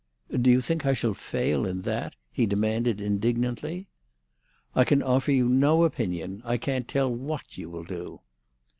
"Do you think I shall fail in that?" he demanded indignantly. "I can offer you no opinion. I can't tell what you will do."